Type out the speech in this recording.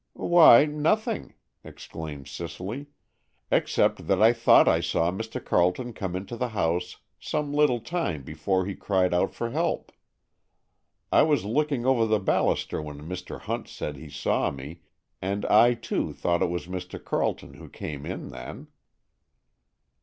"Why, nothing," exclaimed Cicely, "except that I thought I saw Mr. Carleton come into the house some little time before he cried out for help. I was looking over the baluster when Mr. Hunt said he saw me, and I, too, thought it was Mr. Carleton who came in then."